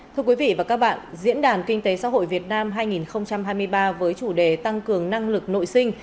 thưa quý vị và các bạn diễn đàn kinh tế xã hội việt nam hai nghìn hai mươi ba với chủ đề tăng cường năng lực nội sinh